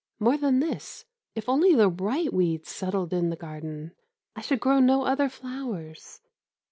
More than this, if only the right weeds settled in the garden, I should grow no other flowers.